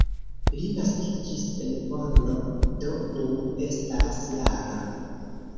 Li naskiĝis en Bonno, do nun estas -jara.